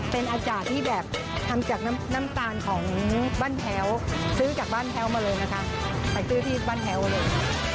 เป็นอาจารย์ที่แบบทำจากน้ำตาลของบ้านแพ้วซื้อจากบ้านแพ้วมาเลยนะคะไปซื้อที่บ้านแพ้วเลย